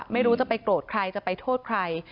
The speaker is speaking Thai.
ไม่รู้จะไปโกรธใครจะไปโทษใคร